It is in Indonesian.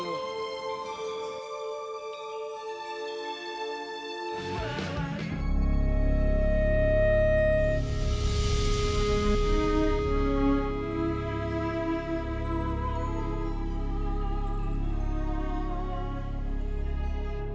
aku mau kemana